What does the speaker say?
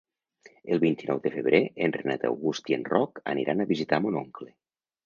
El vint-i-nou de febrer en Renat August i en Roc aniran a visitar mon oncle.